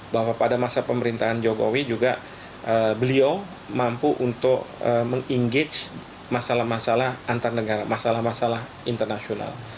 bahwa pada masa pemerintahan jokowi juga beliau mampu untuk meng engage masalah masalah antar negara masalah masalah internasional